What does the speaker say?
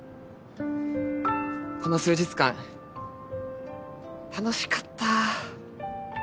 この数日間楽しかった！